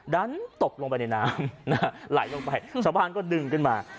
ดันตกลงไปในน้ำไหลลงไปชาวบ้านก็ดึงขึ้นมา